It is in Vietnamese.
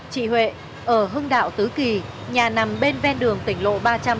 chị huệ ở hưng đạo tứ kỳ nhà nằm bên ven đường tỉnh lộ ba trăm chín mươi một